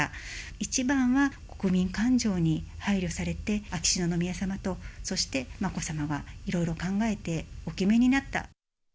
一番は国民感情に配慮されて、秋篠宮さまと、そして眞子さまはいろいろと考えてお決めになった。